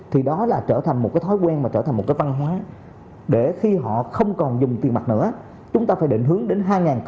thì đó là trở thành một cái thói quen mà trở thành một cái văn hóa để khi họ không còn dùng tiền mặt nữa chúng ta phải định hướng đến hai nghìn ba mươi